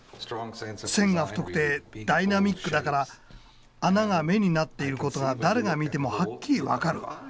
線が太くてダイナミックだから穴が目になっていることが誰が見てもはっきり分かる。